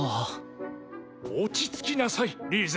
落ち着きなさいリーゼ。